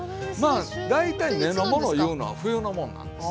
まあ大体根のものいうのは冬のもんなんです。